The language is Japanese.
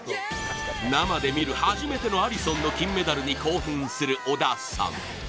生で見る、初めてのアリソンの金メダルに興奮する織田さん。